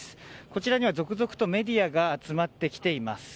こちらには続々とメディアが集まってきています。